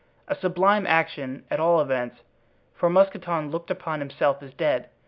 A sublime action, at all events, for Mousqueton looked upon himself as dead.